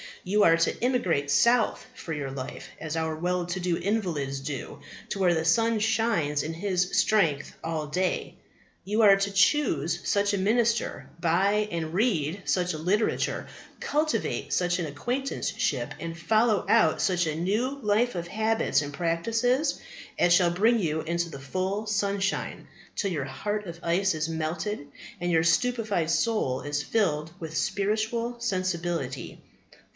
You are to emigrate south for your life, as our well to do invalids do, to where the sun shines in his strength all the day. You are to choose such a minister, buy and read such a literature, cultivate such an acquaintanceship, and follow out such a new life of habits and practices as shall bring you into the full sunshine, till your heart of ice is melted, and your stupefied soul is filled with spiritual sensibility.